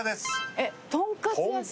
えっとんかつ屋さん？